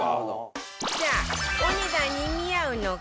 さあお値段に見合うのか？